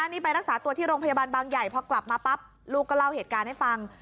นี่ไปรักษาตัวที่โรงพยาบาลบางใหญ่พอกลับมาปั๊บลูกก็เล่าเหตุการณ์ให้ฟัง